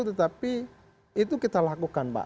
tetapi itu kita lakukan pak